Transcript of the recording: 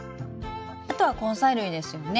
あとは根菜類ですよね。